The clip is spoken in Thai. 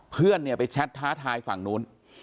เพื่อนเนี่ยไปแชทท้าทายฝั่งนู้น